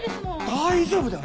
大丈夫だよ！